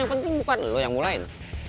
yang penting bukan lo yang mulain